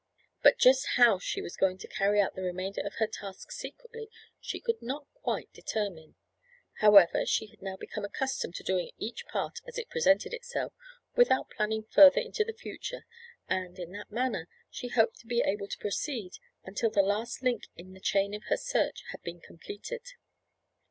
But just how she was going to carry out the remainder of her task secretly she could not quite determine. However, she had now become accustomed to doing each part as it presented itself, without planning further into the future, and, in that manner, she hoped to be able to proceed until the last link in the chain of her search had been completed.